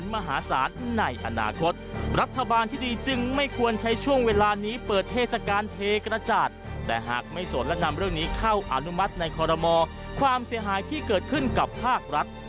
ไม่ควรใช้ช่วงเวลานี้เปิดเทศการเทกระจาดแต่หากไม่สนและนำเรื่องนี้เข้าอนุมัติในคอรมอความเสียหายที่เกิดขึ้นกับภาครัฐ